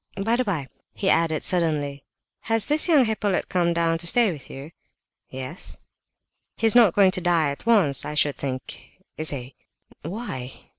By the by," he added suddenly, "has this young Hippolyte come down to stay with you?" "Yes." "He's not going to die at once, I should think, is he?" "Why?"